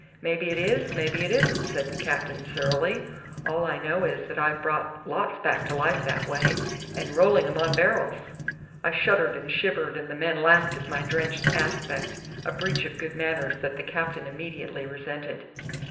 "Mebbe it is, mebbe it isn't," said the captain surlily. "All I know is that I've brought lots back to life that way, and rolling 'em on barrels." I shuddered and shivered, and the men laughed at my drenched aspect, a breach of good manners that the captain immediately resented.